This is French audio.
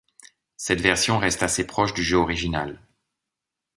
Cette version reste assez proche du jeu original.